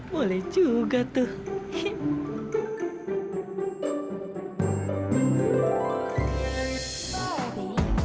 boleh juga tuh